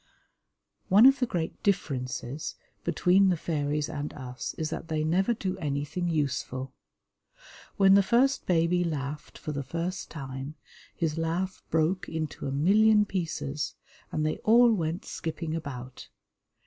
One of the great differences between the fairies and us is that they never do anything useful. When the first baby laughed for the first time, his laugh broke into a million pieces, and they all went skipping about.